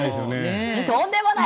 とんでもない。